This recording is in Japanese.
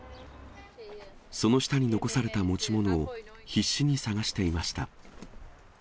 その下に残された持ち物を必死に探していました。